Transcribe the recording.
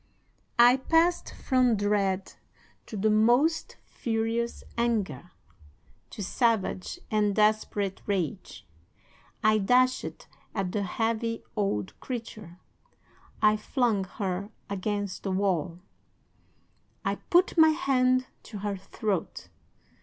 "'I passed from dread to the most furious anger, to savage and desperate rage. I dashed at the heavy old creature. I flung her against the wall. I put my hand to her throat.